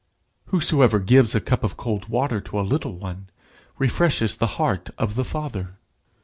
Whosoever gives a cup of cold water to a little one, refreshes the heart of the Father.